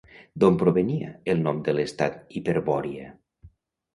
D'on provenia el nom de l'estat Hiperbòria?